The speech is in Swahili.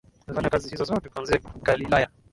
Alifanya kazi hizo zote kuanzia Galilaya